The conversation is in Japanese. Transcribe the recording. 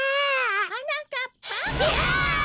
はなかっぱ？ギャ！